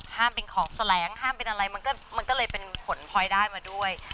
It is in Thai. เป็นของแสลงห้ามเป็นอะไรมันก็เลยเป็นผลพลอยได้มาด้วย